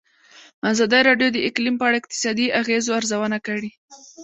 ازادي راډیو د اقلیم په اړه د اقتصادي اغېزو ارزونه کړې.